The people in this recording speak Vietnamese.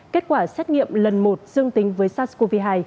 kết quả xét nghiệm lần một dương tính với sars cov hai